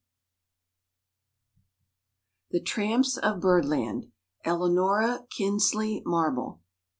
VI. THE TRAMPS OF BIRDLAND. ELANORA KINSLEY MARBLE.